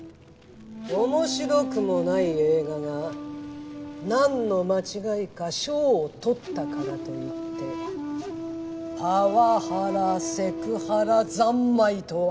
面白くもない映画が何の間違いか賞を取ったからといってパワハラセクハラ三昧とは。